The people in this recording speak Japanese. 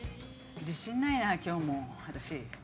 自信ないな今日も私。